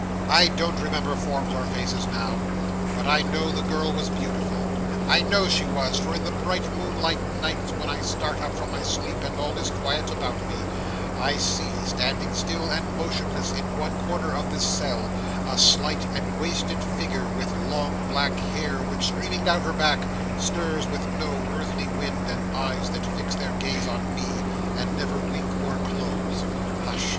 'I don't remember forms or faces now, but I know the girl was beautiful. I know she was; for in the bright moonlight nights, when I start up from my sleep, and all is quiet about me, I see, standing still and motionless in one corner of this cell, a slight and wasted figure with long black hair, which, streaming down her back, stirs with no earthly wind, and eyes that fix their gaze on me, and never wink or close. Hush!